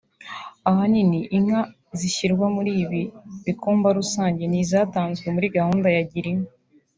Ahanini inka zishyirwa muri ibi bikumba rusange ni izatanzwe muri gahunda ya girinka